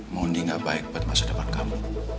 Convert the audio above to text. mondi gak baik buat masa depan kamu